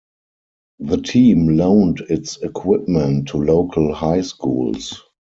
The team loaned its equipment to local high schools.